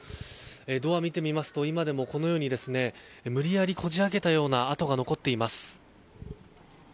ドア見てみますと今でも、このように無理やりこじ開けたような跡が残っています。